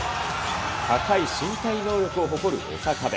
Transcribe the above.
高い身体能力を誇る小酒部。